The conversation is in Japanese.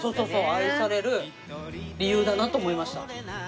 愛される理由だなと思いました。